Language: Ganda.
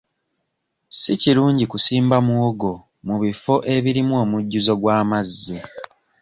Si kirungi kusimba muwogo mu bifo ebirimu omujjuzo gw'amazzi.